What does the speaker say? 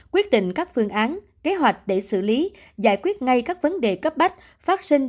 quyết định các phương án kế hoạch để xử lý giải quyết ngay các vấn đề cấp bách phát sinh